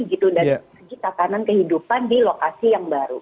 dan segitakanan kehidupan di lokasi yang baru